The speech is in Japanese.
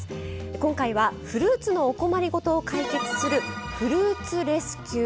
今回はフルーツのお困りごとを解決する「フルーツレスキュー」。